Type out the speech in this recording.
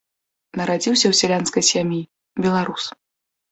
Нарадзіўся ў сялянскай сям'і, беларус.